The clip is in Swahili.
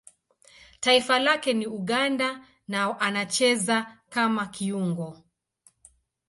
Taifa lake ni Uganda na anacheza kama kiungo.